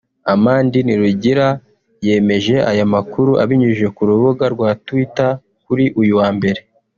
Amandin Rugira yemeje aya makuru abinyujije ku rubuga rwa Twitter kuri uyu wa Mbere